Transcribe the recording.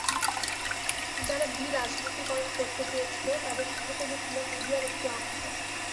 ছাউনির সম্মুখে এক কঙ্করময় শুষ্ক নদীগর্ভ, উহার মধ্য দিয়া পাঁচটি তটিনী চলিয়াছে।